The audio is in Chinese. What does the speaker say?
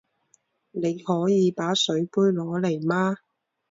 你可以把水杯拿来吗？